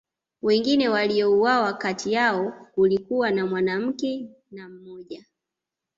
wengine waliouawa kati yao kulikuwa na mwanamke na mmoja